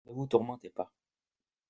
Ne vous tourmentez pas.